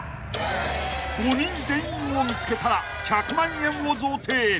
［５人全員を見つけたら１００万円を贈呈］